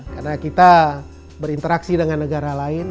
karena kita berinteraksi dengan negara lain